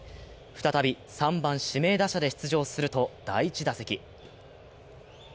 再び３番・指名打者で出場すると、第１打席。